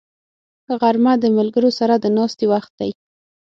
غرمه د ملګرو سره د ناستې وخت دی